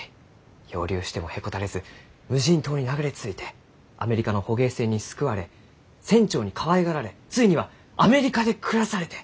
漂流してもへこたれず無人島に流れ着いてアメリカの捕鯨船に救われ船長にかわいがられついにはアメリカで暮らされて！